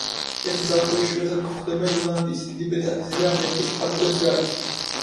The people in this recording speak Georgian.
ეს ძაღლი იშვიათად გვხვდება ირლანდიის, დიდი ბრიტანეთის და ამერიკის ფარგლებს გარეთ.